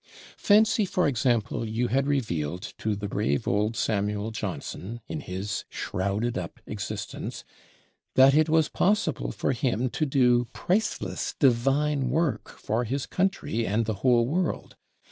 Fancy, for example, you had revealed to the brave old Samuel Johnson, in his shrouded up existence, that it was possible for him to do priceless divine work for his country and the whole world.